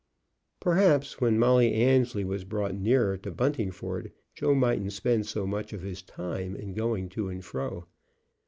Perhaps when Molly Annesley was brought nearer to Buntingford, Joe mightn't spend so much of his time in going to and fro.